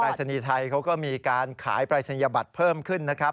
ปรายศิลป์ไทยเขาก็มีการขายปรายศิลป์ยาบัตรเพิ่มขึ้นนะครับ